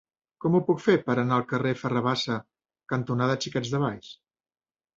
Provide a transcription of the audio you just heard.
Com ho puc fer per anar al carrer Ferrer Bassa cantonada Xiquets de Valls?